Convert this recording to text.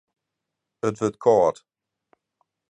It wurdt kâld.